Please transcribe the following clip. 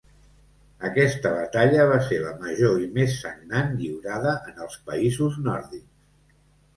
Aquesta batalla va ser la major i més sagnant lliurada en els països nòrdics.